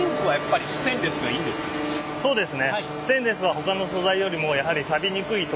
そうですね。